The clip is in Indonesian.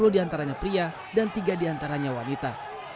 empat puluh diantaranya pria dan tiga diantaranya wanita